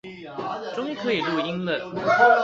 終於可以錄音了